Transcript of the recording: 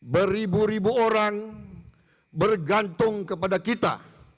beribu ribu orang bergantung kepada kita